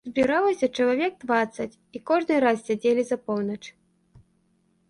Збіралася чалавек дваццаць, і кожны раз сядзелі за поўнач.